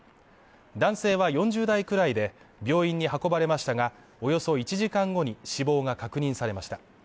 男性は４０代くらいで、病院に運ばれましたがおよそ１時間後に死亡が確認されました。